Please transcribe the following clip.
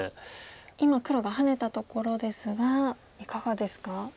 今黒がハネたところですがいかがですか？